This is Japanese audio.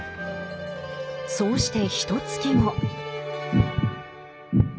そうしてひとつき後。